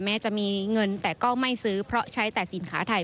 แม้จะมีเงินแต่ก็ไม่ซื้อเพราะใช้แต่สินค้าไทย